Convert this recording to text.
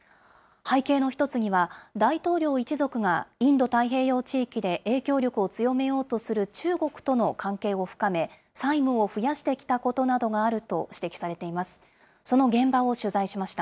背景の一つには、大統領一族がインド太平洋地域で影響力を強めようとする中国との関係を深め、債務を増やしてきたことなどがあると指摘されています。